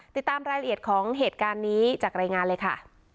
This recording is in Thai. ติดตามรายละเอียดของเหตุการณ์นี้จากรายงานเลยค่ะ